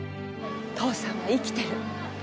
父さんは生きてる。